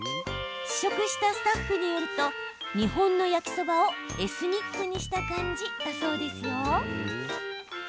試食したスタッフによると日本の焼きそばをエスニックにした感じだそうですよ。